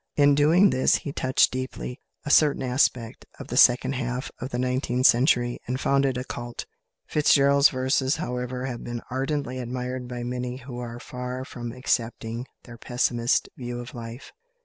In doing this he touched deeply a certain aspect of the second half of the nineteenth century and founded a cult. FitzGerald's verses, however, have been ardently admired by many who are far from accepting their pessimist view of life.